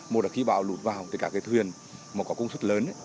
một là khi bão lụt vào thì các cái thuyền mà có công suất lớn